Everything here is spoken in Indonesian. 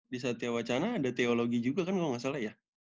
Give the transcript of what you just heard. di satya wacana ada teologi juga kan kalau nggak salah ya